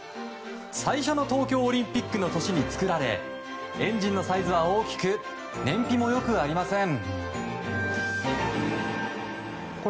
最初の東京オリンピックの年に作られエンジンのサイズは大きく燃費も良くありません。